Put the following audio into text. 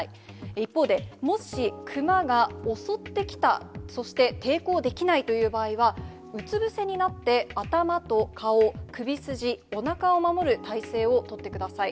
一方で、もしクマが襲ってきた、そして抵抗できないという場合は、うつ伏せになって、頭と顔、首筋、おなかを守る体勢を取ってください。